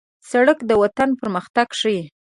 سړک د وطن پرمختګ ښيي.